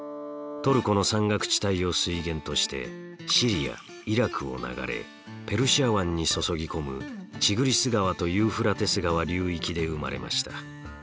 トルコの山岳地帯を水源としてシリアイラクを流れペルシャ湾に注ぎ込むティグリス川とユーフラテス川流域で生まれました。